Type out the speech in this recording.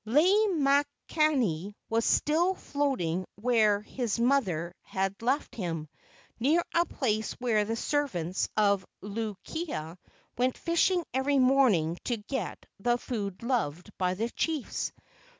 Lei makani was still floating where his mother had left him, near a place where the servants of Luu kia went fishing every morning to get the food loved by the chiefs.